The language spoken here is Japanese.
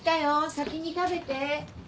先に食べて。